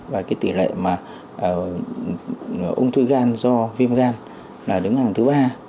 và cái tỷ lệ mà ung thư gan do viêm gan là đứng hàng thứ ba